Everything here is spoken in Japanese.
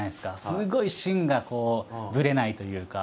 すごい芯がこうぶれないというか。